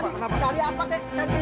tentang apa tentang apa tentang apa